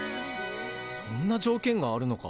そんな条件があるのか？